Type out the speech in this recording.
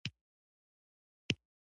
ګورنرجنرال وضع خطرناکه وبلله.